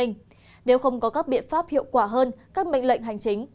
nếu không có các biện pháp hiệu quả hơn các mệnh lệnh hành chính